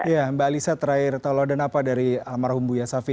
ya mbak alisa terakhir tahu lo ada apa dari almarhum bu yasafi